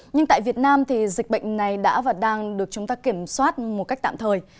nhưng tại việt nam thì dịch bệnh này đã và đang được chúng ta kiểm soát một cách tạm thời